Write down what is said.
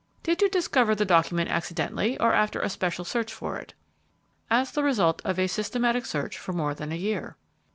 "Did you discover the document accidentally, or after special search for it?" "As the result of a systematic search for more than a year."